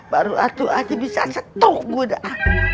baru hatu hati bisa setuk gue dah